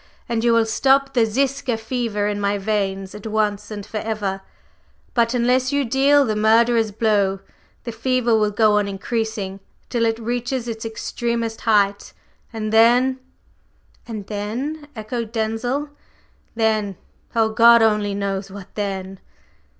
"And you will stop the Ziska fever in my veins at once and forever. But, unless you deal the murderer's blow, the fever will go on increasing till it reaches its extremest height, and then …" "And then?" echoed Denzil. "Then? Oh God only knows what then!"